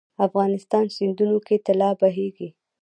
افغانستان سیندونو کې طلا بهیږي 😱